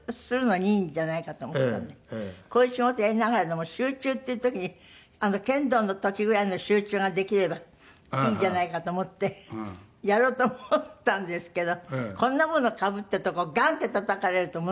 こういう仕事やりながらでも集中っていう時に剣道の時ぐらいの集中ができればいいじゃないかと思ってやろうと思ったんですけどこんなものかぶったとこガンッてたたかれるとものすごく痛そうで。